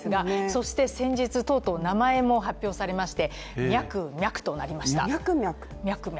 そして先日、とうとう名前も発表されまして、ミャクミャクとなりました。